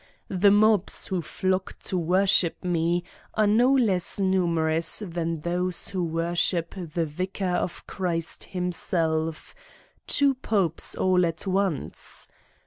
The mobs who flock to wor ship Me are no less numerous than those who wor 48 Satan's Diary ship the Vicar of Christ himself, two Popes all at once.